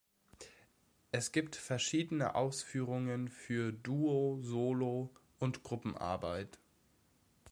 Es gibt verschiedene Ausführungen für Duo-, Solo- und Gruppenarbeit.